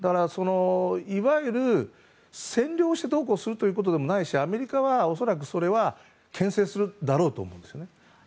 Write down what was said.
いわゆる占領して、どうこうするということでもないしアメリカは恐らく牽制するだろうと思うんですね。